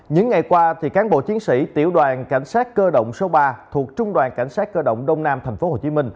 những ngày qua cán bộ chiến sĩ tiểu đoàn cảnh sát cơ động số ba thuộc trung đoàn cảnh sát cơ động đông nam tp hcm